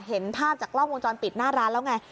เห็นภาพจากกล้องวงจรปิดหน้าร้านแล้วไง